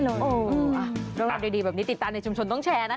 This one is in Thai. เรื่องราวดีแบบนี้ติดตามในชุมชนต้องแชร์นะคะ